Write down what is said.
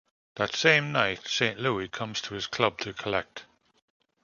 That same night, Saint Louis comes to his club to collect.